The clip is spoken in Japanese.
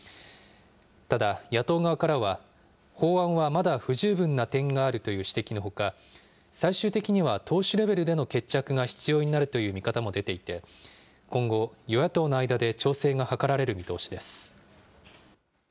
ただ、野党側からは法案はまだ不十分な点があるという指摘のほか、最終的には党首レベルでの決着が必要になるという見方も出ていて、今後、与野党の間で調整が図られる見通しです。